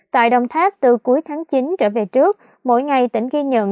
tại đồng tháp từ cuối tháng chín trở về trước mỗi ngày tỉnh ghi nhận